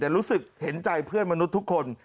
รู้สึกเห็นใจเพื่อนมนุษย์ทุกคน